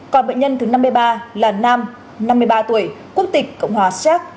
còn bệnh nhân thứ năm mươi ba là nam năm mươi ba tuổi quốc tịch cộng hòa séc